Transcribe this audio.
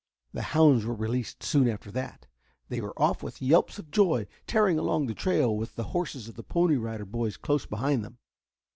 The hounds were released soon after that. They were off with yelps of joy, tearing along the trail with the horses of the Pony Riders close behind them.